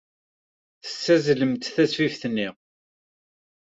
Tessazzlemt tasfift-nni.